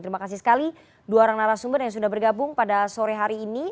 terima kasih sekali dua orang narasumber yang sudah bergabung pada sore hari ini